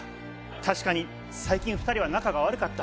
確かに最近２人は仲が悪かった。